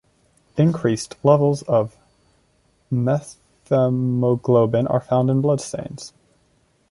Increased levels of methemoglobin are found in blood stains.